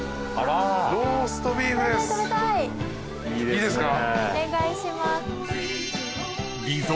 いいですね。